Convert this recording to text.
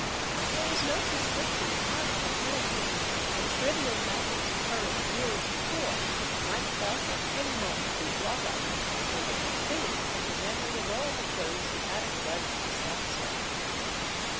^ There was no prescription of time for heresy, and trivial matters occurring years before might thus at any moment be brought up, w^hen they had faded from the memory of all but those who had a grudge to satisfy.